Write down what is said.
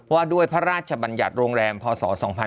ว่าด้วยพระราชบัญญัติโรงแรมพศ๒๕๖๒